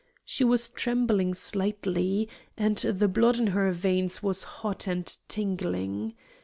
She was trembling slightly, and the blood in her veins was hot and tingling.